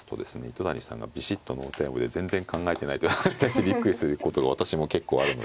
糸谷さんがビシッとノータイムで全然考えてないとかあったりしてびっくりすることが私も結構あるので。